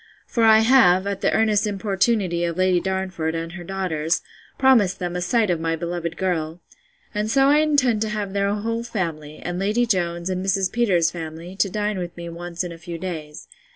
For I have, at the earnest importunity of Lady Darnford, and her daughters, promised them a sight of my beloved girl: And so I intend to have their whole family, and Lady Jones, and Mrs. Peters's family, to dine with me once in a few days.